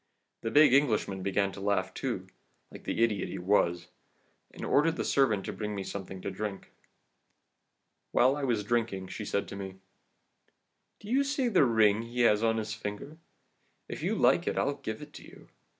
The big Englishman began to laugh too, like the idiot he was, and ordered the servant to bring me something to drink. "While I was drinking she said to me: "'Do you see that ring he has on his finger? If you like I'll give it to you.